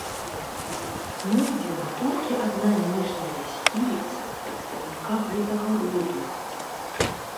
Знойдзена толькі адна ніжняя сківіца прадстаўніка гэтага роду.